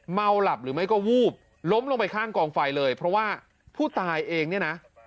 เมาหลับหรือไม่ก็วูบล้มลงไปข้างกองไฟเลยเพราะว่าผู้ตายเองเนี่ยนะ